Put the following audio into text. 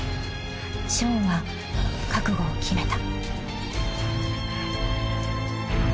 ［ショーンは覚悟を決めた］